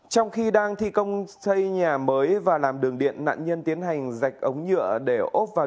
trong khi đang thi công xây nhà mới và làm đường điện nạn nhân tiến hành dạch ống nhựa để ốp vào